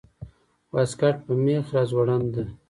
واسکټ په مېخ راځوړند ده